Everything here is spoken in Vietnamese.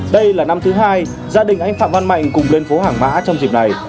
đây là năm thứ hai gia đình anh phạm văn mạnh cùng lên phố hàng mã trong dịp này